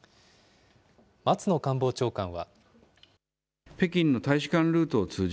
松野官房長官は。